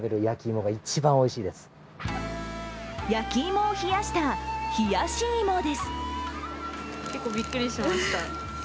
焼き芋を冷やした、冷やし芋です